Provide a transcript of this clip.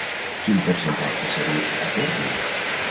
Quin percentatge s'ha dut a terme?